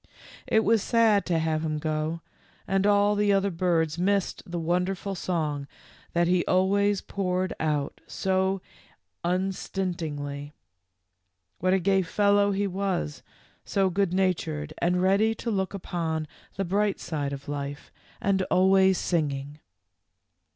It was sad to have him go, and all the other birds missed the wonder ful song that he always poured out so un stintingly. What a gay fellow he was, so good natured and ready to look upon the bright side of life, and always singing.